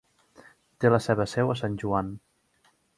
Té la seva seu a San Juan.